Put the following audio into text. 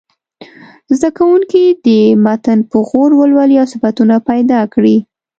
زده کوونکي دې متن په غور ولولي او صفتونه پیدا کړي.